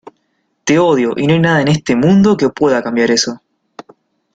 te odio y no hay nada en este mundo que pueda cambiar eso.